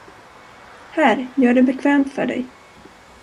Här, gör det bekvämt för dig.